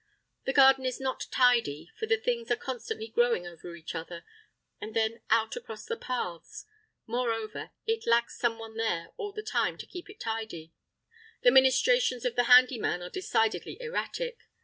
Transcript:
The garden is not tidy, for the things are constantly growing over each other, and then out across the paths. Moreover, it lacks someone there all the time to keep it tidy; the ministrations of the handy man are decidedly erratic.